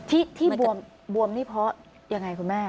ที่บวมนี่เพราะอย่างไรคุณแม่